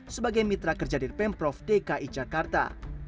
sebagai mitra kerja di pemprov dki jakarta